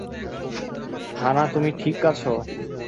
হা-না, তুমি ঠিক আছো?